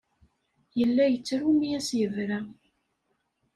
Yella yettru mi as-yebra.